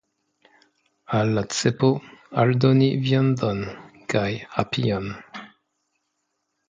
Al la cepo aldoni viandon kaj apion.